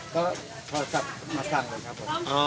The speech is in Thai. ก็สั่งมาสั่งเลยครับผม